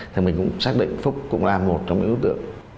thì mình cũng xác định phúc cũng là một trong những đối tượng